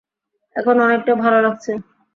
এখন অনেকটা ভালো লাগছে।